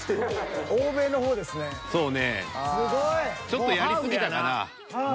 ちょっとやり過ぎたかな。